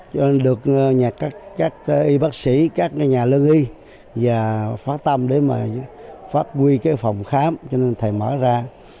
cho nên được các y bác sĩ các nhà lưu y và phát tâm để mà phát huy cái phòng khám cho nên thầy mở ra